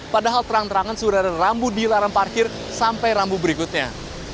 padahal terang terangan sudah ada rambu dilarang parkir sampai rambu berikutnya